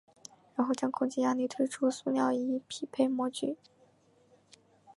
然后将空气压力推出塑料以匹配模具。